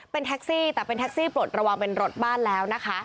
เป็นแท็กซี่แต่เป็นแท็กซี่ปลดระวังเป็นรถบ้านแล้วนะคะ